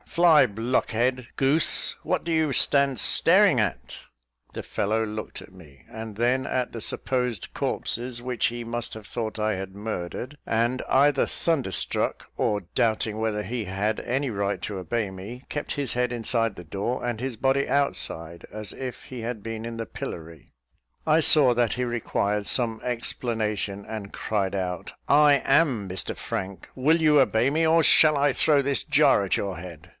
Fly, blockhead, goose, what do you stand staring at?" The fellow looked at me, and then at the supposed corpses, which he must have thought I had murdered; and, either thunderstruck, or doubting whether he had any right to obey me, kept his head inside the door and his body outside, as if he had been in the pillory. I saw that he required some explanation, and cried out, "I am Mr Frank; will you obey me, or shall I throw this jar at your head?"